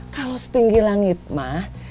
kalau setinggi langit mak